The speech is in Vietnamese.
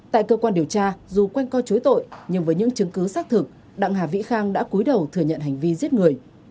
tại cơ quan điều tra dù quanh co chối tội nhưng với những chứng cứ xác thực đặng hà vĩ khang đã cuối đầu thừa nhận hành vi giết người